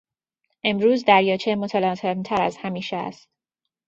امروز دریاچه متلاطمتر از همیشه است.